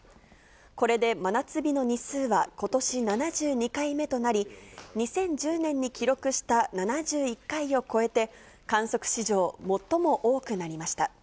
これで真夏日の日数はことし７２回目となり、２０１０年に記録した７１回を超えて、観測史上最も多くなりました。